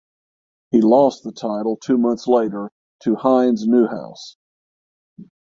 He lost the title two months later to Heinz Neuhaus.